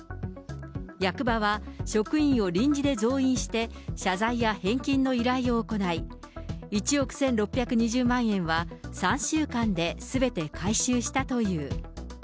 役場は職員を臨時で増員して、謝罪や返金の依頼を行い、１億１６２０万円は３週間ですべて回収したという。